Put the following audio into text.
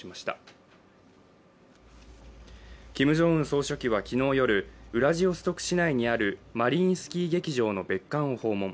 総書記は昨日夜ウラジオストク市内にあるマリインスキー劇場の別館を訪問。